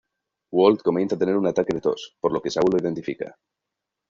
Walt comienza a tener un ataque de tos, por lo que Saul lo identifica.